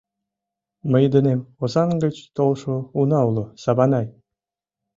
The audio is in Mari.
— Мый денем Озаҥ гыч толшо уна уло, Саванай.